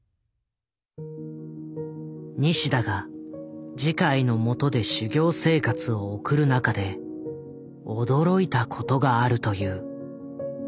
西田が慈海のもとで修行生活を送る中で驚いたことがあるという。